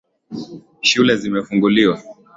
Shule zimefunguliwa